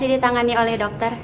saya ditangani oleh dokter